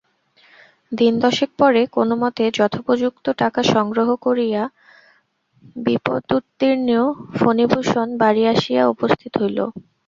দিনদশেক পরে কোনোমতে যথোপযুক্ত টাকা সংগ্রহ করিয়া বিপদুত্তীর্ণ ফণিভূষণ বাড়ি আসিয়া উপস্থিত হইল।